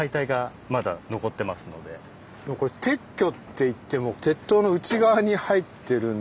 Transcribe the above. これ撤去っていっても鉄塔の内側に入ってるんで。